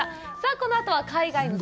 このあとは海外の旅。